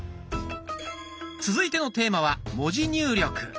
続いてのテーマは「文字入力」。